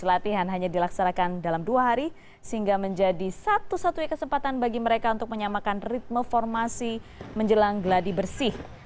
latihan hanya dilaksanakan dalam dua hari sehingga menjadi satu satunya kesempatan bagi mereka untuk menyamakan ritme formasi menjelang geladi bersih